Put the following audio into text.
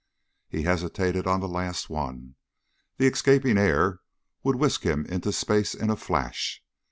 He hesitated on the last one. The escaping air could whisk him into space in a flash.